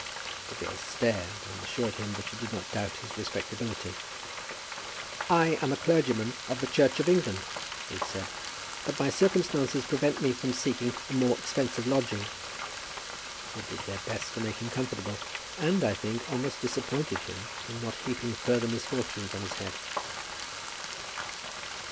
The girl stared, and assured him that she did not doubt his respectability. "I am a clergyman of the Church of England," he had said, "but my circumstances prevent me from seeking a more expensive lodging." They did their best to make him comfortable, and, I think, almost disappointed him in not heaping further misfortunes on his head.